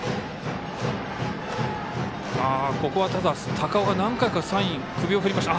高尾が何回かサイン、首を振りました。